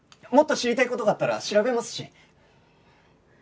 もっと知りたい事があったら調べますし！